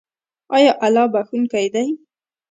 آیا الله بخښونکی دی؟